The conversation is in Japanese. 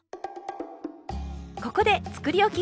ここでつくりおき